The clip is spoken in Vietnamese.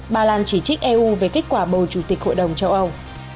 bà lan chỉ trích eu về kết quả bầu chủ tịch hội đồng châu âu